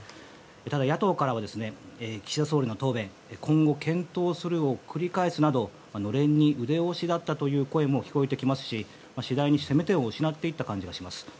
ただ野党からは岸田総理の答弁今後、検討するを繰り返すなど暖簾に腕押しだったという声も聞こえてきますし次第に攻め手を失っていた感じがします。